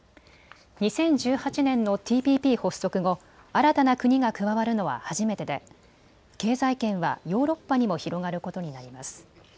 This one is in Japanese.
２０１８年のＴＰＰ発足後、新たな国が加わるのは初めてで経済圏はヨーロッパにも広がることになります。